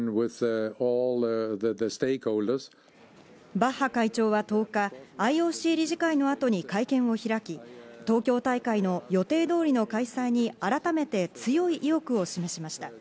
バッハ会長は１０日、ＩＯＣ理事会の後に会見を開き、東京大会の予定通りの開催に改めて強い意欲を示しました。